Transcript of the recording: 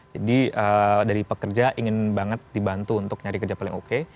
jadi dari pekerja ingin banget dibantu untuk nyari kerja paling oke